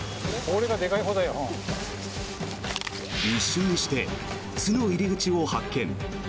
一瞬にして巣の入り口を発見。